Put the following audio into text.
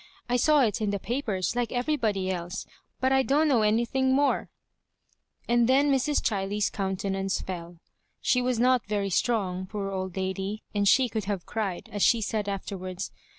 I saw it in the papers, like everybody else, but I don't know anything more." And then Mrs. Chiley's countenance fell. She was not very strong, poor old lady, and she could have cried, as she said afterwards.